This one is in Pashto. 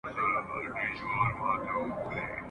ویل یې شپې به دي د مصر له زندانه نه ځي `